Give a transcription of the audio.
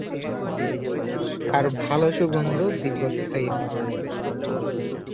আর ভালো সুগন্ধ দীর্ঘস্থায়ী হয়।